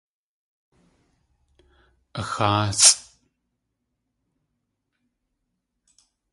Axáasʼ.